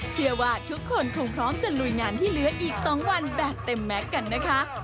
เชื่อว่าทุกคนคงพร้อมจะลุยงานที่เหลืออีก๒วันแบบเต็มแม็กซ์กันนะคะ